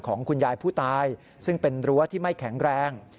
ของคุณยายผู้ตายซึ่งเป็นรั้วที่ไม่แข็งแรง